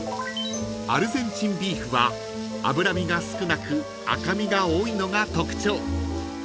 ［アルゼンチンビーフは脂身が少なく赤身が多いのが特徴］